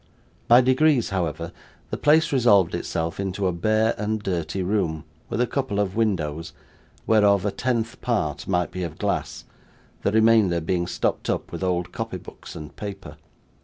By degrees, however, the place resolved itself into a bare and dirty room, with a couple of windows, whereof a tenth part might be of glass, the remainder being stopped up with old copy books and paper.